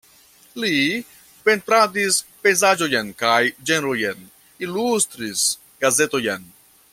Li pentradis pejzaĝojn kaj ĝenrojn, ilustris gazetojn.